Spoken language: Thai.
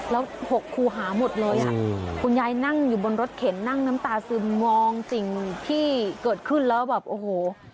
แล้ว๖คู่หาหมดเลยอ่ะคุณยายนั่งอยู่บนรถเข็นนั่งน้ำตาซึมมองสิ่งที่เกิดขึ้นแล้วแบบโอ้โห